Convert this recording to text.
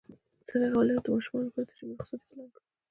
څنګه کولی شم د ماشومانو لپاره د ژمی رخصتۍ پلان کړم